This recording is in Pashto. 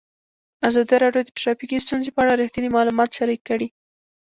ازادي راډیو د ټرافیکي ستونزې په اړه رښتیني معلومات شریک کړي.